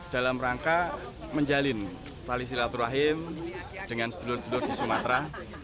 dalam rangka menjalin tali silaturahim dengan sedulur sedulur di sumatera